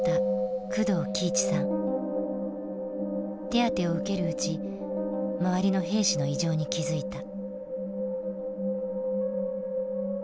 手当てを受けるうち周りの兵士の異常に気付いた。